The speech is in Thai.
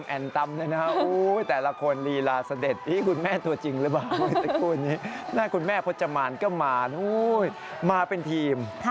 แอนตำแอนตำเลยนะมาเป็นทีม